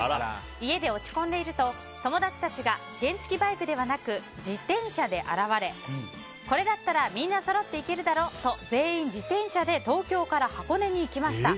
家で落ち込んでいると友達たちが原付きバイクではなく自転車で現れこれだったらみんなそろって行けるだろうと全員、自転車で東京から箱根に行きました。